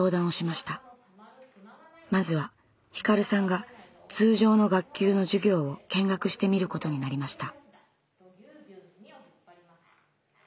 まずはひかるさんが通常の学級の授業を見学してみることになりました。